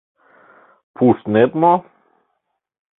Пуштнет мо?